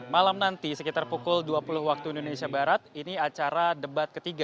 malam nanti sekitar pukul dua puluh waktu indonesia barat ini acara debat ketiga